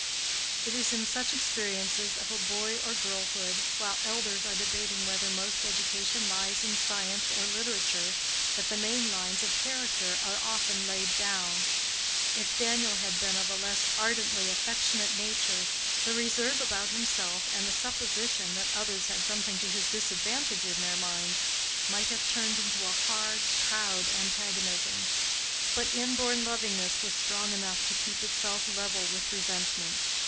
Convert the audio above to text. It is in such experiences of a boy or girlhood, while elders are debating whether most education lies in science or literature, that the main lines of character are often laid down. If Daniel had been of a less ardently affectionate nature, the reserve about himself and the supposition that others had something to his disadvantage in their minds, might have turned into a hard, proud antagonism. But inborn lovingness was strong enough to keep itself level with resentment.